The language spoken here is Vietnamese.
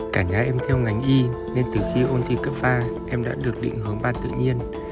cảnh gái em theo ngành y nên từ khi ôn thi cấp ba em đã được định hướng ba tự nhiên